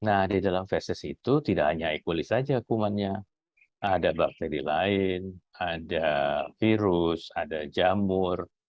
nah di dalam fesis itu tidak hanya ekulis saja kumannya ada bakteri lain ada virus ada jamur